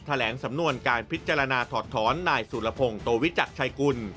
แถลงสำนวนการพิจารณาถอดถอนนายสุรพงศ์โตวิจักรชัยกุล